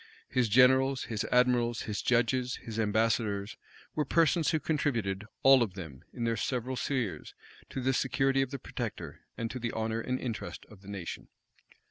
His generals, his admirals, his judges, his ambassadors, were persons who contributed, all of them, in their several spheres, to the security of the protector, and to the honor and interest of the nation.